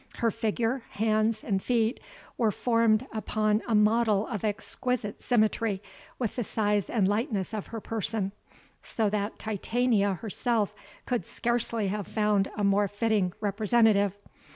Her figure, hands, and feet, were formed upon a model of exquisite symmetry with the size and lightness of her person, so that Titania herself could scarce have found a more fitting representative.